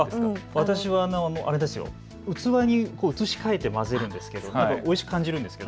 私は器に移し替えて混ぜるんですがおいしく感じるんですよ。